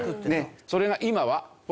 それが今はほら。